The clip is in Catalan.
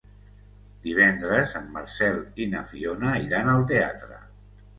Divendres en Marcel i na Fiona iran al teatre.